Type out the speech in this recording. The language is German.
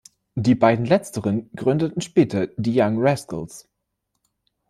Die beiden letzteren gründeten später die Young Rascals.